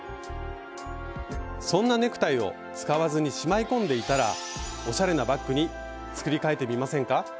そんなネクタイを使わずにしまい込んでいたらおしゃれなバッグに作りかえてみませんか？